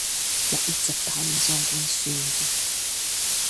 Ja itsepäinen se on kuin synti.